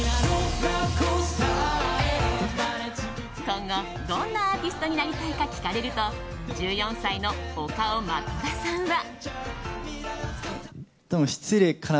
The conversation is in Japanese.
今後、どんなアーティストになりたいか聞かれると１４歳の岡尾真虎さんは。